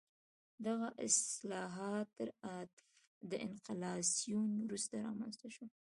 دغه اصلاحات تر انفلاسیون وروسته رامنځته شول.